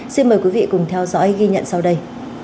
xin mời quý vị cùng theo dõi ghi nhận sau đây